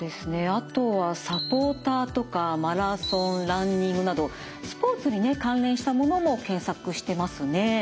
あとは「サポーター」とか「マラソン」「ランニング」などスポーツにね関連したものも検索してますね。